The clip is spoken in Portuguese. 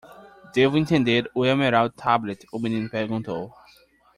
"Devo entender o Emerald Tablet?" o menino perguntou.